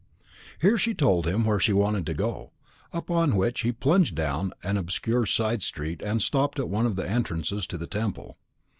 Here she told him where she wanted to go; upon which he plunged down an obscure side street, and stopped at one of the entrances to the Temple.